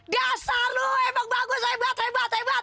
gak salah memang bagus hebat hebat hebat